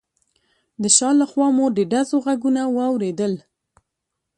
د شا له خوا مو د ډزو غږونه واورېدل.